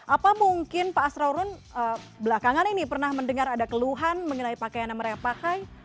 apa mungkin pak asrorun belakangan ini pernah mendengar ada keluhan mengenai pakaian yang mereka pakai